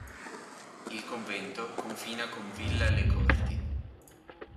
Il convento confina con Villa Le Corti.